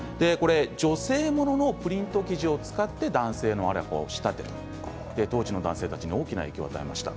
女性物のプリント生地を使って男性のアロハを仕立てて当時の男性たちに大きな影響を与えました。